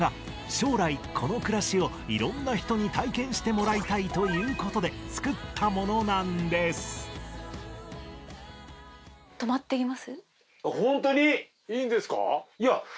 将来この暮らしをいろんな人に体験してもらいたいということで作ったものなんですいいんですか？